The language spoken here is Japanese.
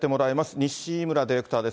西村ディレクターです。